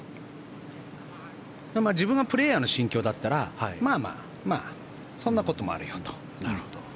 自分がプレーヤーの心境だったらまあまあそんなこともあるよと。